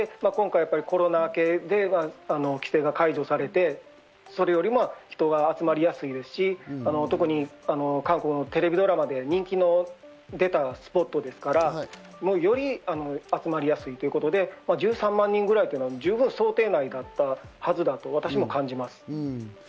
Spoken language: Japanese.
コロナ明けで今回、規制が解除されて、それより人が集まりやすいですし、特に韓国のテレビドラマで人気の出たスポットですからより集まりやすいということで１３万人ぐらい十分想定内だったはずだと私も感じます。